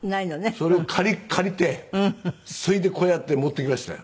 それを借りてそれでこうやって持ってきましたよ。